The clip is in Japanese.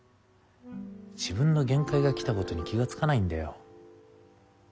自分の限界が来たことに気が付かないんだよ。